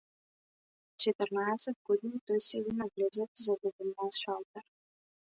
Четрнаесет години тој седи на влезот, зад еден мал шалтер.